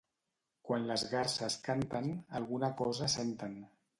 Quan les garses canten, alguna cosa senten.